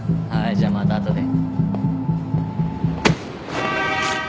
じゃあまた後で。